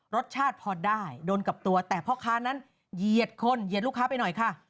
รสชาติพอได้โดนกับตัวแต่พ่อค้านั้นเหยียดคนเหยียดลูกค้าไปหน่อยค่ะ